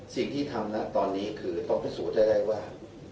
สิ่งที่ทำนะตอนนี้คือต้องพิสูจน์ให้ได้ว่า